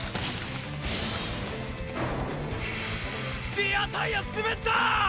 リアタイヤ滑った！！